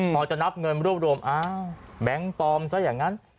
พอจะนับเงินรวบรวมอ้าวแบงค์ปลอมซะอย่างนั้น